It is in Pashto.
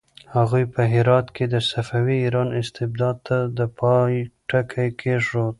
هغوی په هرات کې د صفوي ایران استبداد ته د پای ټکی کېښود.